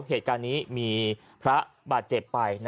เหตุการณ์นี้มีพระบาดเจ็บไป